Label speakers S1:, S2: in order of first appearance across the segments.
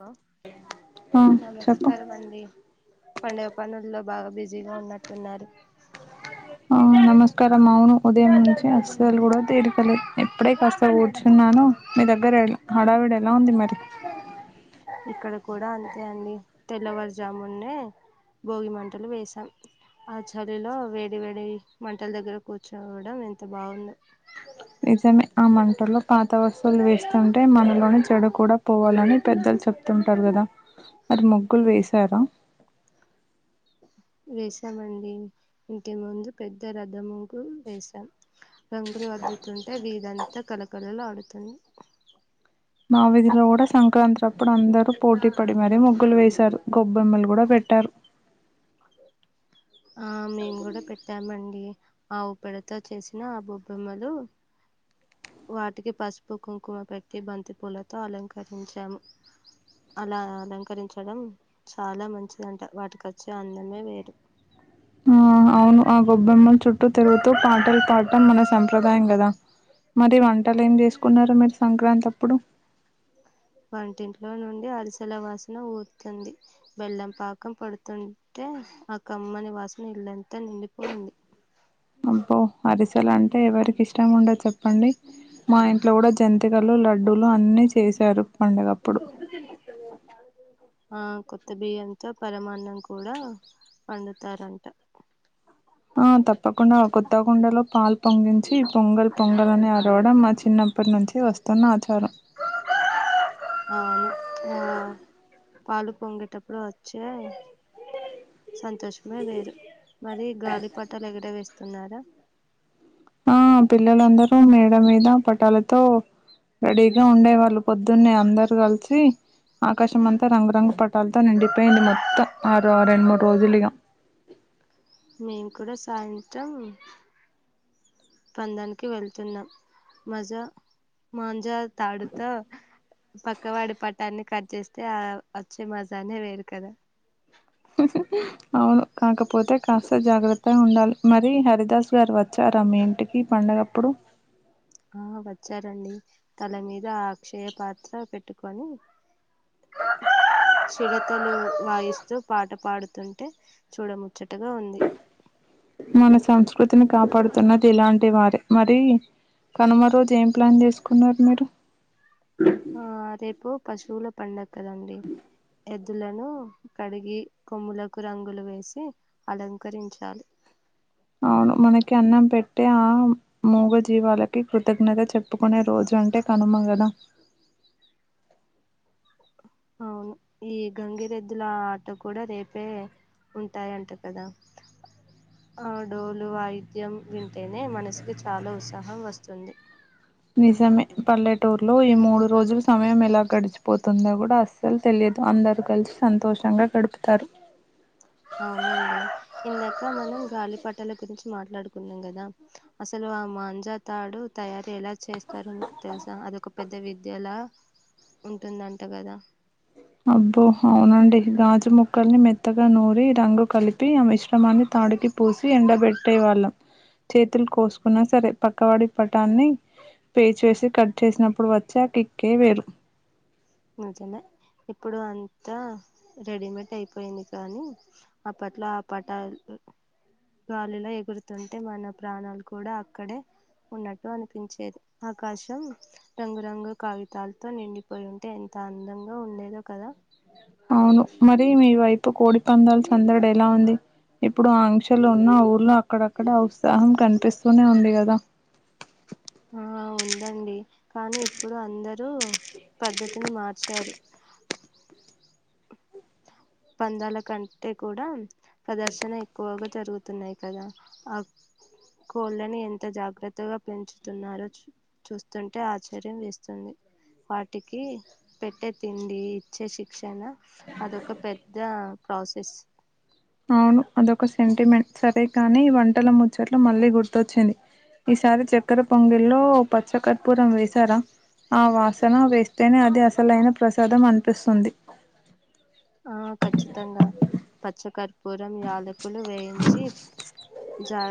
S1: Hello
S2: ఆ చెప్పు
S1: నమస్కారం అండి పండగ పనుల్లో బాగా బిజీగా ఉన్నట్టు వున్నారు
S2: ఆ నమస్కారం అవును ఉదయం నుంచి అస్సలు కూడా తీరికలేదు ఇప్పుడే కాస్త కూర్చున్నాను మీ దగ్గర హడావిడి ఇప్పుడేలా ఉంది మరి
S1: ఇక్కడ కూడా అంతే అండి తెల్లవారుజామున్నే భోగి మంటలు వేసాం ఆ చలిలో వేడి వేడి మంటల దగ్గర కూర్చోవడం ఎంత బాగుందో
S2: [inaudible] నిజమే ఆ మంటల్లో పాత వస్తువులు వేస్తుంటే మనలోని చెడు కూడా పోవాలని పెద్దలు చెప్తారు చెప్తుంటారు కదా మరి ముగ్గులు వేసారా
S1: వేసామండి ఇంటి ముందు పెద్ద రథము ముగ్గు వేసాం, రంగులు ఆద్దుతుంటే వీదంతా కలకళలు ఆడుతుంది.
S2: మా విధిలో కూడా సంక్రాంతి అప్పుడు అందరు పోటీ పడి మరి ముగ్గులు వేసారు గొబ్బెమ్మలు కూడా పెట్టారు. [unintelligible]
S1: ఆ మేము కూడా పెట్టామండి ఆవు పేడతో చేసిన ఆ బొబ్బెమ్మలు, వాటికి పసుపు కుంకుమ పెట్టి బంతి పూలతో అలంకరించాము, అలా అలంకరించడం చాలా మంచిది అంట వాటికి వచ్చే అందమే వేరు
S2: ఆ అవును ఆ గొబ్బెమ్మల చుట్టూ తిరుగుతూ పాటలు పాడటం మన సంప్రదాయం కదా మరి వంటలు ఏం చేసుకున్నారు మీరు సంక్రాంతి అప్పుడు
S1: వంటింట్లో అరిసెల వాసన ఊరుతుంది బెల్లం పాకం పడుతుంటే ఆ కమ్మని వా వాసనా ఇళ్లంతా నిండిపోయింది.
S2: [unintelligible] అబ్బో అరిసెలు అంటే ఎవరికి ఇష్టం ఉండ చెప్పండి మా ఇంట్లో కూడా జంతికలు లడ్డూలు అన్నీ చేసారు పండగప్పుడు
S1: ఆ కొత్త బియ్యంతో పరమాన్నం కూడా పండుతారంట,
S2: ఆ తప్పకుండా కొత్త కొండలో పాలు పొంగించి పొంగల్ పొంగల్ అని ఆరవడం మా చిన్నపు ఎప్పటి నుంచి వస్తున్న ఆచారం
S1: అవును ఆ పాలు పొంగటప్పుడు వచ్చే సంతోషమే వేరు మరి గాలి పట్టాలు ఎగర వేస్త తిన్నార
S2: ఆ పిల్లలందరూ మేడ మీద పటాలతో రడీగా ఉండే వాళ్ళు పొద్దున్నే అందరు కలిసి ఆకాశం అంతా రంగురంగు పటాలతో నిండిపోయింది. మొత్తం ఆ రెండు మూడు రోజులు ఇగా, [unintelligible]
S1: మేం కూడా సాయంత్రం పందానికి వెళ్తున్నా మజ మాంజా తాడుతో పక్కవాడి పట్టని దాన్ని కట్ చేస్తే వచ్చే మజానే వేరు కదా
S2: అవును కాకపోతే కాస్త జాగ్రత్తగా ఉండాలి మరి హరిదాస్ గారు వచ్చారా, రమ్మ ఇంటికి పండగప్పుడు,
S1: ఆ వచ్చారండి తల మీద ఆ అక్షయ పాత్ర పెట్టుకొని చిడతలు వాయిస్తూ పాట పాడుతుంటే చూడముచ్చ, ముచ్చటగా ఉంది.
S2: వృతిని కాపాడుతున్నది, ఇలాంటి వారే మరి కానుమ రోజు ఏం ప్లాన్ చేసుకున్నారు, మీరు
S1: ఆ రేపు పశువుల పండగ కదండి, ఎద్దులను కడిగి కొమ్ములకు రంగులు వేసి అలంకరించాలి,
S2: ఆ మనకి అన్నం పెట్టే ఆ మూగ జీవాలకి కృతజ్ఞత చెప్పుకునే రోజు అంటే క ఆమగదా
S1: అవును ఈ గంగిరెద్దుల ఆట కూడా రేపే, ఉంటాయంట కదా ఆ డోలు వాయిద్యం వింటేనే మనసుకి చాలా ఉత్సాహం వస్తుంది.
S2: నిజమే పల్లెటూరు లో ఈ మూడు రోజులు సమయం ఎలా గడిచిపోతుందో కూడా అస్సలు తెలియదు, లేదు అందరు కలిసి సంతోషంగా గడుపుతారు,
S1: అవునండి ఇందాక మనం గాలి పటల గురించి మాట్లాడుకున్నాం కదా అసలు బ మాంజా తాడు తయారు ఎలా చేస్తారో మీకు తెలుసా అదొక పెద్ద విద్యలా ఉంటుందంట కదా
S2: అబ్బో అవునండి గాజు ముక్కల్ని మెత్తగా నూరి రంగు కలిపి ఆ మిశ్రమాన్ని త నాడికి పూసి ఎండబెట్టే వాళ్ళం, చేతులు కోసుకున్నా సరే పక్కవాడి పటాన్ని పే చేసి కట్ చేసినప్పుడు వచ్చే కిక్కే వేరు
S1: అ చిన్న ఇప్పుడు అంతా రెడీమేడ్ అయిపోయింది కానీ అప్పట్లో ఆ పటాలు గాలిలా ఎగురుతుంటే మన ప్రాణాలు కూడా అక్కడే ఉన్నట్టు అనిపించేది ఆకాశం రంగురంగు కాగితాలతో నిండిపోయి ఉంది అంటే ఎంత అందంగా ఉండేదో కదా
S2: అవును మరి మీ వైపు కోడి పందాలు సందడి ఎలా ఉంది ఇప్పుడు ఆ ఆంక్షలు ఉన్న ఊర్లో అక్కడక్కడ ఉత్సాహం కనిపిస్తూనే ఉంది కదా [inaudible]
S1: ఆ ఉందండి కానీ ఇప్పుడు అందరు పద్ధతిని మార్చారు
S2: [inaudible] [inaudible]
S1: పందాల కంటే కూడా ప్రదర్శన ఎక్కువగా జరుగుతున్నాయి కదా ఆ కోళ్ళని ఎంత జాగ్రత్త కొత్తగా పెంచుతున్నారు చూస్తుంటే ఆశ్చర్యం వస్తుంది వాటికి పెట్టే తిండి ఇచ్చే శిక్షణ అదొక పెద్ద ప్రాసెస్
S2: అవును అదొక సెంటిమెంట్ సరే కానీ వంటల ముచ్చట్లు మళ్ళీ గుర్తొచ్చింది ఈసారి చక్కెర పొంగిల్లో పచ్చ కర్పూరం వేశారా ఆ వాసన వేస్తేనే అది అసలైన ప్రసాదం అనిపిస్తుంది.
S1: ఆ ఖచ్చితంగా పచ్చ కర్పూరం యాలకులు వేయించి జా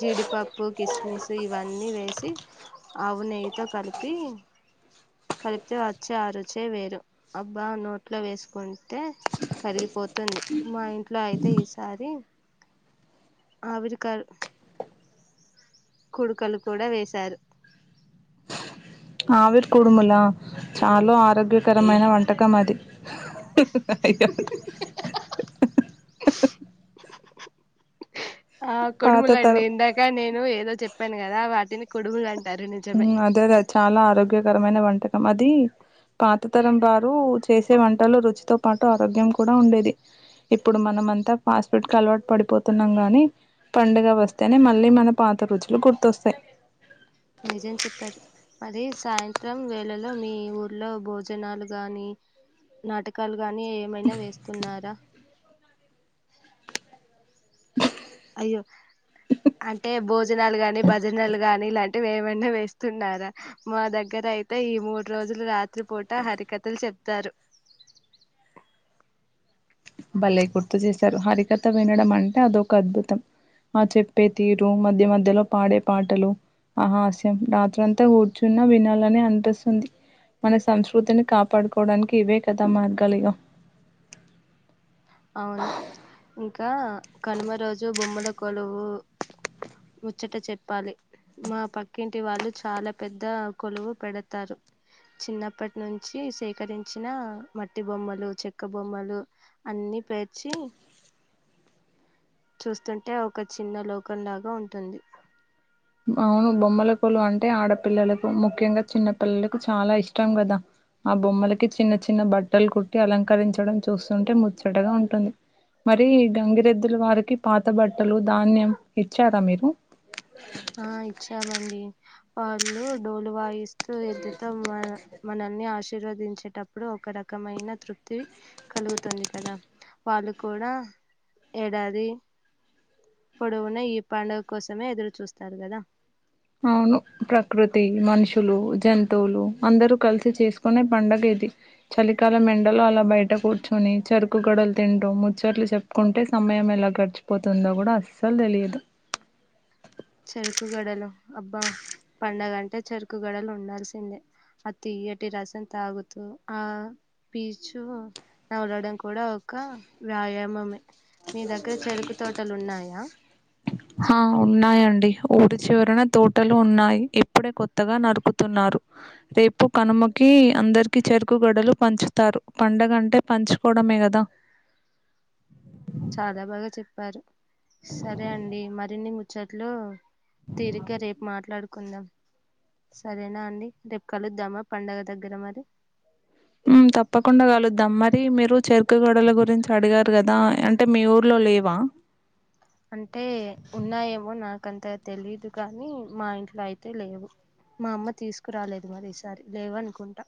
S1: జీడిపప్పు కిస్మిస్ ఇవన్నీ వేసి ఆవు నయి తో కలిపి కలిపితే వచ్చే అరుచే వేరు అబ్బా నోట్లో వేసుకు అయితే కరిగిపోతుంది మా ఇంట్లో అయితే ఈసారి ఆవిరి కా కుడుకలు కూడా వేశారు
S2: ఆవిర్ కూడుమలా చాల ఆ
S1: అయ్యో
S2: ఆరోగ్యకరమైన వంటకం అది అయదు [inaudible]
S1: ఆ
S2: పాత
S1: కొడుములండి
S2: తరం
S1: ఇందాక నేను ఏదో చెప్పాను కదా వాటిని కొడుముల అంటే
S2: అదే అదే అది చాలా ఆరోగ్యకరమైన వంటకం అది పాత తరం వారు చేసే వంటలు రుచితో పాటు ఆరోగ్యం కూడా ఉండేది ఇప్పుడు మనం అంతా ఫాస్ట్ ఫుడ్ కి అలవాటు పడిపోతున్నాం గానీ పండుగ వస్తేనే మళ్ళీ మన పాత రుచులు గుర్తొస్తాయి
S1: నిజం చెప్పారు మరి సాయంత్రం వేళలో మీ ఊర్లో భోజనాలు గాని నాటకాలు కాగాని ఏమైనా వేస్తున్నారా అయ్యో అంటే భోజనాలు గాని భజనలు గాని ఇలాంటివి ఏమన్నా వేస్తున్నారా మా దగ్గర అయితే ఈ మూడు రోజులు రాత్రి పూట హరికథలు చెప్తారు
S2: భలే గుర్తు చేసారు హరికథ వినడం అంటే అదొక అద్భుతం ఆ చెప్పే తీరు మధ్య మధ్యలో పాడే పాటలు ఆ హాస్యం రాత్రంతా కూర్చున్నా వినాలని అనిపిస్తుంది. మన సంస్కృతిని కాపాడుకోవడానికి ఇవే కథా మార్గాలు ఇగా
S1: అవును ఇంకా కనుమ రోజు బొమ్మల కొలువు ముచ్చట చెప్పాలి మా పక్కింటి వాళ్ళు చాలా పెద్ద కొలువు పెడతారు చిన్నప్పటి నుంచి సేకరించిన మట్టి బొమ్మలు క్క బొమ్మలు అన్ని పేర్చి చూస్తుంటే ఒక చిన్న లోకంలాగా ఉంటుంది
S2: అవును బొమ్మల లు అంటే ఆడపిల్లలకు ముఖ్యంగా చిన్న పిల్లలకు చాలా ఇష్టం కదా ఆ బొమ్మలకి చిన్న చిన్న బట్టలు కుట్టి అలంకరించడం చూస్తుంటే ముచ్చటగా ఉంటుంది మరి గంగిరెద్దుల వారికి పాత బట్టలు ధాన్యం ఇచ్చారా మీరు
S1: ఆ ఇచ్చామండి వాళ్ళు డోలు వాయిస్ తు ఎద్దుతో మన మనల్ని ఆశీర్వదించేటప్పుడు ఒక రకమైన తృప్తి కలుగుతుంది కదా వాళ్ళు కూడా అ ఏడాది పొడువునా ఈ పండుగ కోసమే ఎదురు చూస్ తరు కదా
S2: అవును ప్రకృతి మనుషు లు జంతువులు అందరూ కలిసి చేసుకునే పండగిది చలికాలం మెండల అలా బయట కూర్చొని చెరుకు గడలు తింటు ముచ్చట్లు చెప్పుకుంటే సమయం ఎలా గడిచిపోతుందో కూడా అస్సలు తెలిదు
S1: చెరుకు గడలు అబ్బా పండగంటే చెరుకు గడలు ఉండాల్సిందే అ తీయటి రసం తాగుతూ ఆ పీచు నమలడం కూడా ఒక వ్యాయామమే మీ దగ్గర చెరుకు తోటలు ఉన్నాయా
S2: హా ఉన్నాయండి ఊరి చివరిన తోటలు ఉన్నాయి ఇప్పుడే కొత్తగా నరుకుతున్నారు రేపు కనుమకి కి అందరికి చెరుకు గడలు పంచుతారు పండగంటే పంచుకోవడమే కదా
S1: చాలా బాగా చెప్పారు సరే అండి మరిన్ని ముచ్చట్లు తిరిగ్గా రేపు మాట్లాడుకు కుందాం సరేనా అండి రేపు కలుద్దామా పండగ దగ్గర మరి
S2: ఊ తప్పకుండా కలుద్దాం మరి మీరు చెరుకు గడల గురించి అడిగారు కదా అంటే మీ ఊర్లో లేవా
S1: అంటే ఉన్నాయేమో నాకంత తెలీదు గానీ మా ఇంట్లో అయితే లేవు మా అమ్మ తీసుకురాలేదు మరి ఈసారి లేవనుకుంటా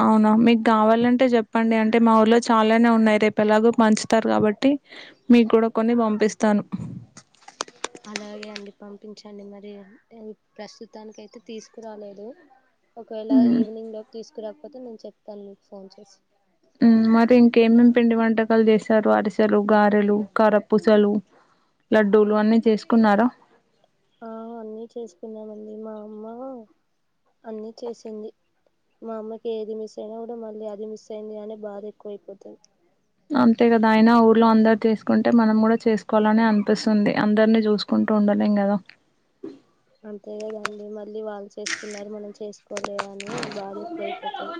S2: అవునా మీకు కావాలంటే చెప్పండి అంటే మా ఊర్లో చాలానే ఉన్నాయి రేపు ఎలాగో పంచుతారు కాబట్టి మీకు కూడా కొన్ని పంపిస్తాను
S1: పించండి మరి ఎ ప్రస్తుతానికి అయితే తీసుకురాలేదు ఒకవేళ
S2: హ్మ్
S1: ఈవినింగ్ లోకి తీసుకురాకపోతే నేను చెప్తాను మీకు ఫోన్ చేసి
S2: ఊ మరి ఇంకేమేమి పిండి వంటకాలు చేస్తారు అరిసెలు గారెలు కర పూసలు
S1: ఆ అన్నీ చేసుకున్నామండి మా అన్ని చేసింది మా అమ్మకి ఏది మిస్ అయినా కూడా మళ్ళీ అది మిస్ అయింది అనే బాధ ఎక్కువైపోతది
S2: అంతే కదా అయినా ఊర్లో అందరు తీసుకుంటే మనం కూడా చేసుకోవాలని అనే అనిపిస్తుంది అందరినీ చూసుకుం కుంటుండలేం కదా
S1: చేస్కున్నారు మనం చేసుకోవలే అని బాధ ఎక్కువ అయిపోతది.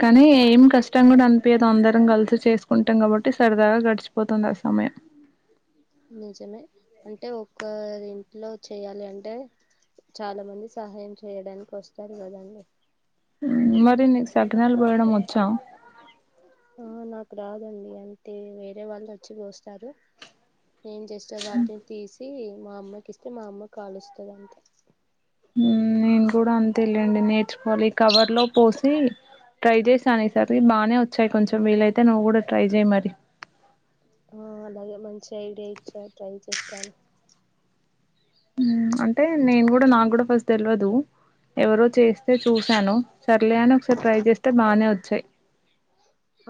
S2: కానీ ఏం కష్టం కూడా అనిపియదు అందరం కలిసి చేసుకుంటాం కాబట్టి సరదాగా గడిచ చ్చిపోతుందా సమయం
S1: నిజమే అంటే ఒకరి ఇంట్లో చేయాలి అంటే చాలా మంది సహాయం చేయడానికి వస్తారు కదండి
S2: ఊ మరి నీకు సకినాలు పోయడం వచ్చా
S1: ఆ నాకు రాదండి అంతే వేరే వాళ్ళు వచ్చిపోస్తారు ఏం చేస్తా వాటిని తీసి మా అమ్మకి ఇస్తే మా అమ్మ కాలుస్తది అంతే
S2: ఊ నేను కూడా అంతేలెండి నేర్చుకోవాలి కవర్ లో పోసి ట్రై చేశాను ఈసారి ఇవి బాగానే వచ్చాయి కొంచెం వీలైతే నువ్వు కూడా ట్రై చెయ్ మరి
S1: ఆ అలాగే మంచి ఐడియా ఇచ్చారు ట్రై చేస్తాను
S2: అంటే నేను కూడా నాకు కూడ ఫస్ట్ తెల్వదు. ఎవరో చేస్తే చూశాను సర్లే అని ఒకసారి ట్రై చేస్తే బానే వచ్చాయి.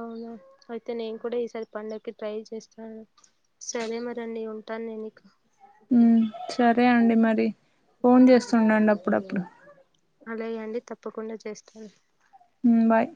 S1: అవునా అయితే నేను కూడా ఈసారి పండగ్కి ట్రై చేస్తాను సరే మరి అండి ఉం ను నేనిక
S2: మ్ సరే అండి మరి ఫోన్ చేస్తుండండి అప్పుడప్పుడు
S1: అలాగే అండి తప్పకుండా చేస్తాను.
S2: ఉమ్ బాయ్